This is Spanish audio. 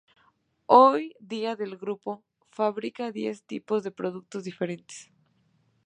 Hoy día el grupo fabrica diez tipos de productos diferentes.